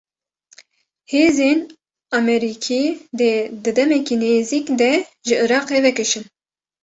Hêzên Emerîkî, dê di demeke nêzik de ji Iraqê vekişin